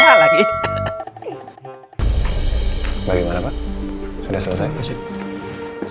pak keterangan pasu manual sementara ini sudah cukup untuk kami tindak lanjuti